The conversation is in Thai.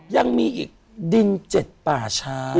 ยังมีอีกดิน๗ป่าช้า